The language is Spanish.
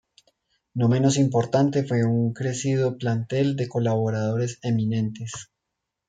No menos importante fue un crecido plantel de colaboradores eminentes.